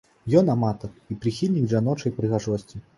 Ён аматар і прыхільнік жаночай прыгажосці.